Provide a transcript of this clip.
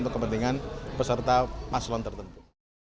untuk kepentingan peserta paslon tertentu